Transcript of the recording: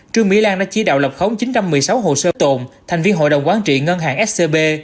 trương mỹ lan đã chỉ đạo lập khống chín trăm một mươi sáu hồ sơ tụng thành viên hội đồng quán trị ngân hàng scb